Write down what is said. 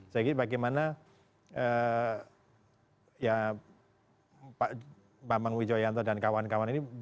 saya kira bagaimana ya pak bambang wijoyanto dan kawan kawan ini